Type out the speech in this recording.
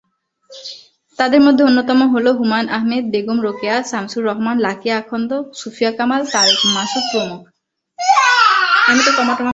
তাদের মধ্যে অন্যতম হলো: হুমায়ুন আহমেদ, বেগম রোকেয়া, শামসুর রহমান, লাকী আখন্দ, সুফিয়া কামাল, তারেক মাসুদ প্রমুখ।